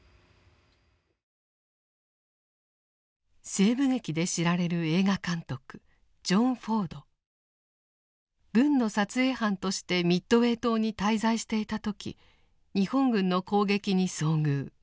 西部劇で知られる軍の撮影班としてミッドウェー島に滞在していた時日本軍の攻撃に遭遇。